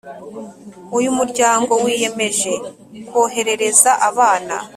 Uyu muryango wiyemeje korohereza abana